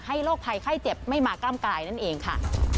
โรคภัยไข้เจ็บไม่มากล้ามกายนั่นเองค่ะ